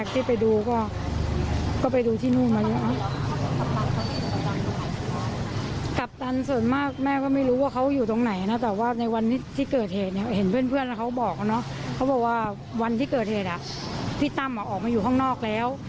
แต่ว่าในวันที่เกิดเหตุเห็นเพื่อนเขาบอกว่าวันที่เกิดเหตุพี่ตำออกมาอยู่ห้องนอกแล้ว